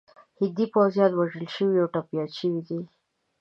هندي پوځیان وژل شوي او ټپیان شوي دي.